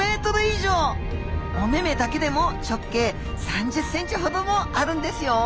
お目々だけでも直径３０センチほどもあるんですよ。